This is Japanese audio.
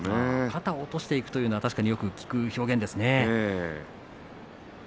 肩を落としていくというのはよく聞く表現ですね。